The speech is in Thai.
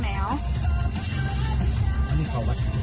ไม่ต่อมา